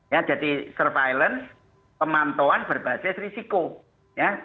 ya jadi surveillance pemantauan berbasis risiko ya